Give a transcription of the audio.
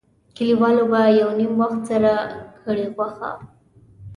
کلیوالو به یو نیم وخت سره کړې غوښه.